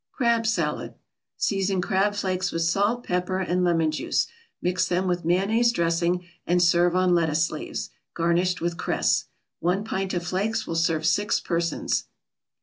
CRAB SALAD Season crab flakes with salt, pepper and lemon juice, mix them with mayonnaise dressing, and serve on lettuce leaves, garnished with cress. One pint of flakes will serve six persons.